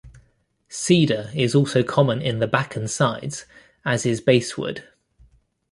Cedar is also common in the back and sides, as is basswood.